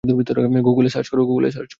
গুগলে সার্চ করো।